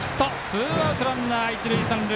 ツーアウト、ランナー、一塁三塁。